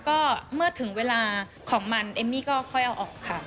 ก็เมื่อถึงเวลาของมันเอมมี่ก็ค่อยเอาออกค่ะ